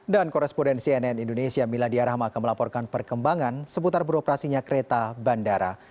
dan korespondensi nn indonesia mila diyarahma akan melaporkan perkembangan seputar beroperasinya kereta bandara